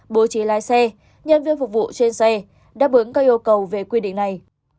bố trí lái xe nhân viên phục vụ trên xe đáp ứng các yêu cầu về quy định này